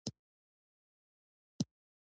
کتاب د معرفت څراغ دی.